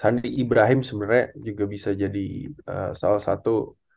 sandi ibrahim sebenernya juga bisa jadi salah satu